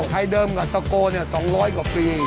ไทยเดิมกับตะโก๒๐๐กว่าปี